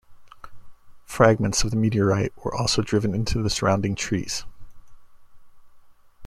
Fragments of the meteorite were also driven into the surrounding trees.